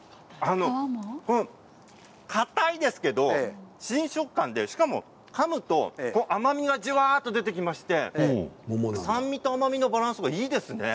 かたいですけれど新食感で、しかもかむと甘みがじゅわっと出てきまして酸味と甘みのバランスとかいいですね。